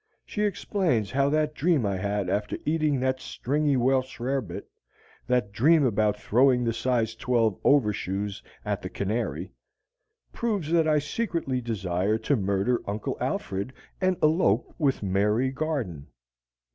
She explains how that dream I had after eating that stringy Welch rarebit that dream about throwing the size twelve overshoes at the canary proves that I secretly desire to murder Uncle Alfred and elope with Mary Garden.